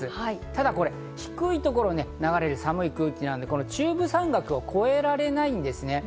ただこれ、低いところを流れる寒い空気なので中部山岳を越えられないんですね。